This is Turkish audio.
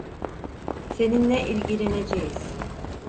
Seninle ilgileneceğiz.